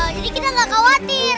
jadi kita gak khawatir